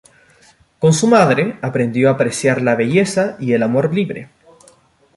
Con su madre, aprendió a apreciar la belleza y el amor libre.